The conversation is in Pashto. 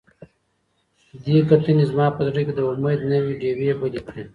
دې کتنې زما په زړه کې د امید نوې ډیوې بلې کړې.